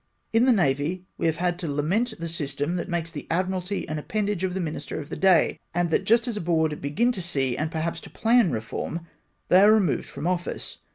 In the Navy, we have had to lament the system that makes the Admiralty an appendage of the minister of the day, and that just as a Board begin to see, and perhaps to plan reform, they are removed from office.